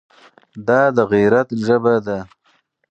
دا د غیرت ژبه ده.